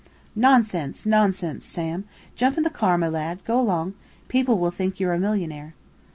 "Nonsense, nonsense, Sam! Jump into the car, my lad. Go along. People will think you're a millionaire."